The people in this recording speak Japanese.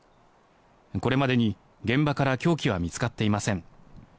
これまでに現場から凶器は見つかっていません。